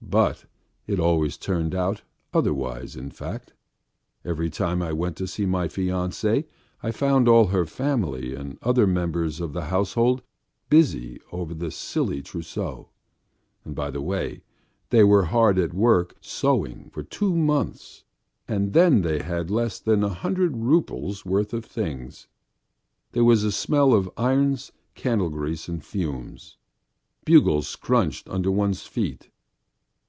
But it always turned out otherwise in fact. Every time I went to see my fiancée I found all her family and other members of the household busy over the silly trousseau. (And by the way, they were hard at work sewing for two months and then they had less than a hundred roubles' worth of things). There was a smell of irons, candle grease and fumes. Bugles scrunched under one's feet.